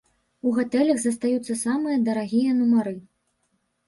У гатэлях застаюцца самыя дарагія нумары.